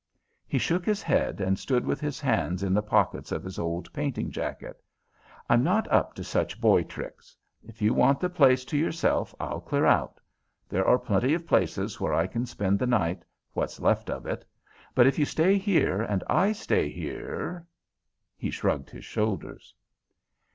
He shook his head and stood with his hands in the pockets of his old painting jacket. "I'm not up to such boy tricks. If you want the place to yourself, I'll clear out. There are plenty of places where I can spend the night, what's left of it. But if you stay here and I stay here " He shrugged his shoulders.